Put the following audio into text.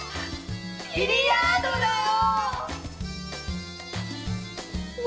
ビリヤードだよ。